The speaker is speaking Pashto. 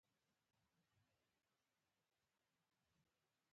د واده په شپه نکریزې په لاسونو کیښودل کیږي.